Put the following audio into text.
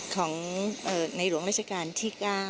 ของในหลวงราชการที่๙